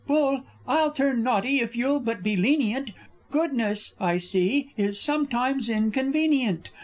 _ Bull, I'll turn naughty, if you'll but be lenient! Goodness, I see, is sometimes inconvenient.